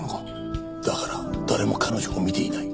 だから誰も彼女を見ていない。